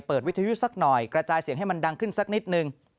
วิทยุสักหน่อยกระจายเสียงให้มันดังขึ้นสักนิดนึง